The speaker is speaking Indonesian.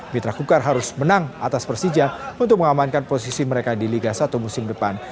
mitra kukar harus menang atas persija untuk mengamankan posisi mereka di liga satu musim depan